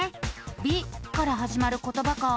「び」からはじまることばか。